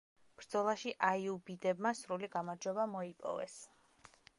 ბრძოლაში აიუბიდებმა სრული გამარჯვება მოიპოვეს.